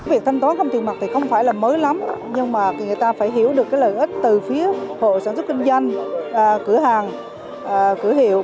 việc thanh toán không tiền mặt thì không phải là mới lắm nhưng mà người ta phải hiểu được lợi ích từ phía hộ sản xuất kinh doanh cửa hàng cửa hiệu